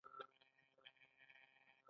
هغوی یوځای د حساس ګلونه له لارې سفر پیل کړ.